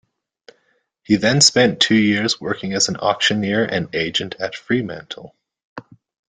He then spent two years working as an auctioneer and agent at Fremantle.